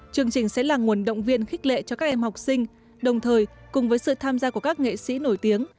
chương trình sẽ là nguồn động viên khích lệ cho các em học sinh đồng thời cùng với sự tham gia của các nghệ sĩ nổi tiếng